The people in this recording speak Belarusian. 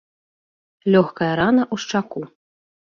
Лёгкая рана ў шчаку.